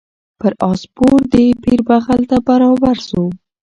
پر آس سپور د پیر بغل ته برابر سو